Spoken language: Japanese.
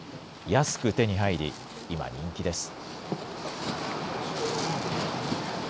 安く手に入り、今、人気です。